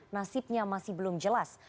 nasibnya masih belum jelas